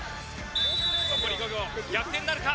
残り５秒逆転なるか？